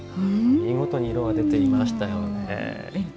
見事に色が出ていましたよね。